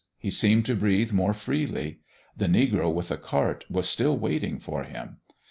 He seemed to breathe more freely. The negro with the cart was still waiting for him.